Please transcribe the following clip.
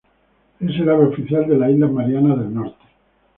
Es el ave oficial de las Islas Marianas del Norte.